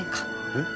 えっ。